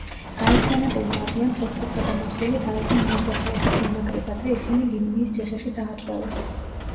გაერთიანებულმა არმიამ ცეცხლითა და მახვილით აიღო მეამბოხეების გამაგრება და ისინი ლიმნიის ციხეში დაატყვევეს.